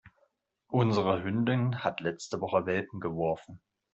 Unsere Hündin hat letzte Woche Welpen geworfen.